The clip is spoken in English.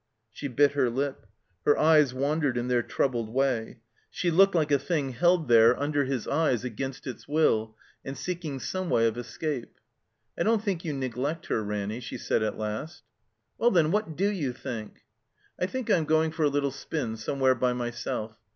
She bit her lip. Her eyes wandered in their troubled way. She looked like a thing held there 215 THE COMBINED MAZE tinder his eyes against its will and seeking some way of escape. "I don't think you neglect her, Ranny," she said at last. "Well, then, what do you think?*' She turned. "I think I'm going for a little spin somewhere by myself.